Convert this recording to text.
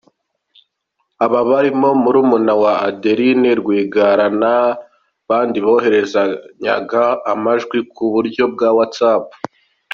Aba barimo murumuna wa Adeline Rwigara n'abandi bohererezanyaga amajwi ku buryo bwa whatsapp.